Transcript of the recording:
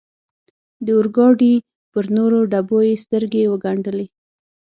د اورګاډي پر نورو ډبو یې سترګې و ګنډلې.